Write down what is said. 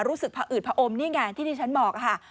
รู้สึกผอืดผอมนี่ไงที่ที่ฉันบอกค่ะ